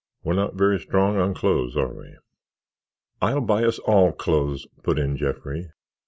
We're not very strong on clothes, are we?" "I'll buy us all clothes," put in Jeffrey.